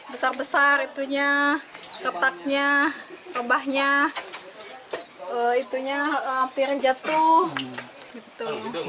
besar besar itunya retaknya rubahnya itunya hampir jatuh